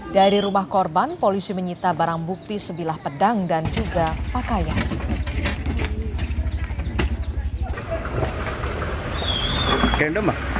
dari rumah korban polisi menyita barang bukti sebilah pedang dan juga pakaian